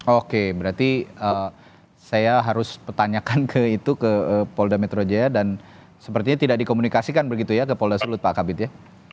oke berarti saya harus pertanyakan ke itu ke polda metro jaya dan sepertinya tidak dikomunikasikan begitu ya ke polda sulut pak kabit ya